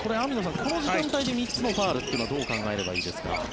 この時間帯で３つのファウルはどう考えればいいですか。